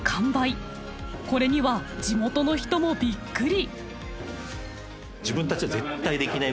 これには地元の人もびっくり。